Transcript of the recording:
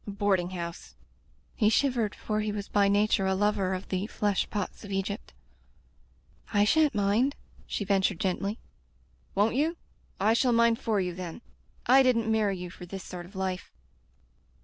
"A boarding house" — he shivered, for he was by nature a lover of the flesh pots of Egypt. I shan't mind," she ventured gently. *' Won't you ? I shall mind for you, then. I didn't marry you for this sort of life."